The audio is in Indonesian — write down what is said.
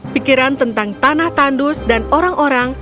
pikiran tentang tanah tandus dan orang orang